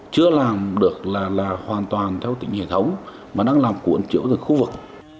chưa làm được là hoàn toàn theo tính hệ thống mà đang làm cuốn triệu ra khu vực